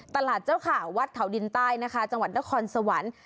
ตลาดเจ้าข่าววัดเขาดินใต้นะคะจังหวัดนครสวรรค์